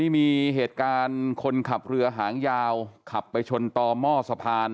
มีเหตุการณ์คนขับเรือหางยาวขับไปชนต่อหม้อสะพาน